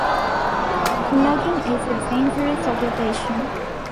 Logging is a dangerous occupation.